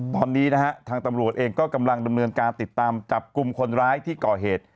ตอนนี้นะฮะทางตำรวจเองก็กำลังดำเนินการติดตามจับกลุ่มคนร้ายที่ก่อเหตุ